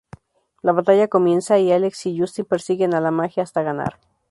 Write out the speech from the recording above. La batalla comienza y Alex y Justin persiguen a la magia hasta ganar.